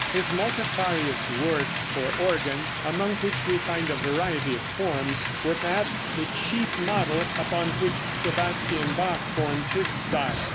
His multifarious works for organ, among which we find a variety of forms, were perhaps the chief model upon which Sebastian Bach formed his style.